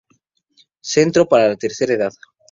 Centro para la tercera edad.